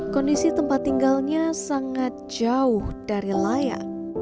kondisi tempat tinggalnya sangat jauh dari layak